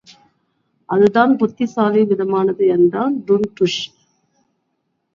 அதுதான் புத்திசாலித்தனமானது என்றான் டுன்டுஷ்.